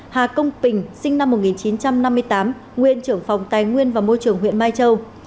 hà công bình sinh năm một nghìn chín trăm năm mươi tám nguyên trưởng phòng tài nguyên và môi trường huyện mai châu